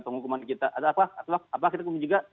penghukuman kita atau apa apa kita juga